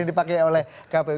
yang dipakai oleh kpu